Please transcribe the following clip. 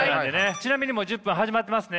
ちなみにもう１０分始まってますねもう。